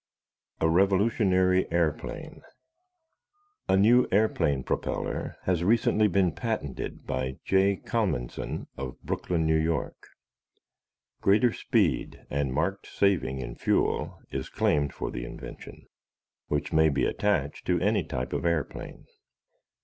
A REVOLUTIONARY AIRPLANE A new airplane propeller has recently been patented by J. Kalmanson of Brooklyn, N. Y. Greater speed and marked saving in fuel is claimed for the invention, which may be attached to any type of airplane.